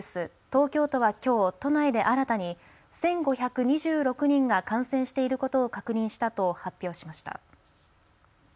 東京都はきょう都内で新たに１５２６人が感染していることを確認したと発表しました。